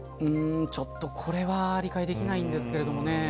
ちょっとこれは理解できないんですけれどもね。